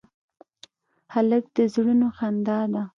هلک د زړونو خندا ده.